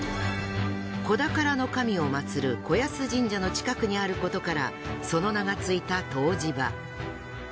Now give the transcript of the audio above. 子宝の神をまつる子安神社の近くにあることからその名がついた湯治場。